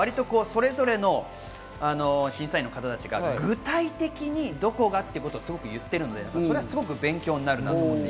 それぞれの審査員の方たちが具体的にどこがっていうことをすごく言ってるので、それはすごく勉強になります。